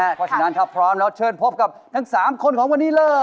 เพราะฉะนั้นถ้าพร้อมแล้วเชิญพบกับทั้ง๓คนของวันนี้เลย